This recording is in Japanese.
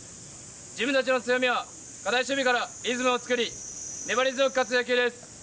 自分たちの強みは堅い守備からリズムを作り粘り強く勝つ野球です。